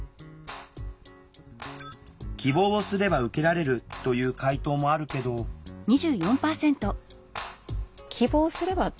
希望をすれば受けられるという回答もあるけどなるほどね。